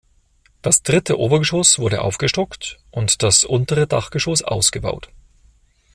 Das dritte Obergeschoss wurde aufgestockt und das untere Dachgeschoss ausgebaut.